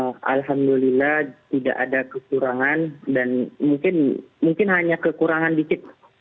untuk makanan alhamdulillah tidak ada kekurangan dan mungkin hanya kekurangan sedikit